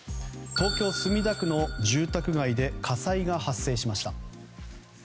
東京・墨田区の住宅街で火災が発生しました。